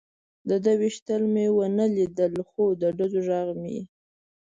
د ده وېشتل مې و نه لیدل، خو د ډزو غږ مې.